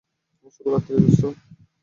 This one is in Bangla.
শুভরাত্রি, দোস্ত।